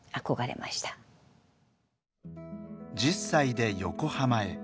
１０歳で横浜へ。